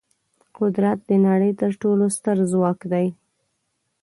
قدرت د نړۍ تر ټولو ستر ځواک دی.